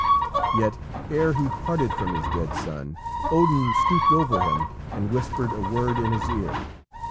Yet, ere he parted from his dead son, Odin stooped over him and whispered a word in his ear.